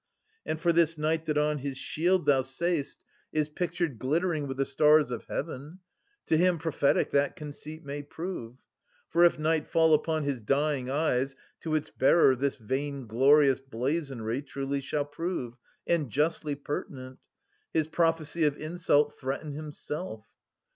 And, for this night that on his shield, thou say'st, 400 THE SE VEN A GAINST THEBES. 21 Is pictured glittering with the stars of heaven — To him prophetic that conceit may prove. For, if night fall upon his dying eyes, To its bearer this vainglorious blazonry Truly shall prove and justly pertinent, His prophecy of insult threaten himself.